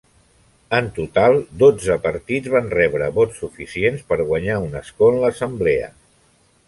En total, dotze partits van rebre vots suficients per guanyar un escó en l'assemblea.